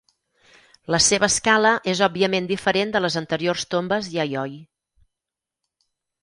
La seva escala és òbviament diferent de les anteriors tombes Yayoi.